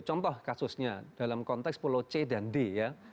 contoh kasusnya dalam konteks pulau c dan d ya